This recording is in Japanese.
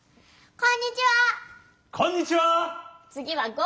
こんにちは。